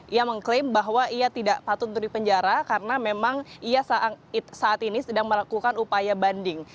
ia mengklaim bahwa ia tidak patut untuk dipenjara karena memang ia saat ini sedang melakukan upaya banding